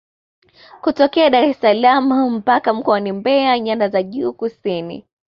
Kutokea Daressalaam mpaka mkoani Mbeya nyanda za juu kusini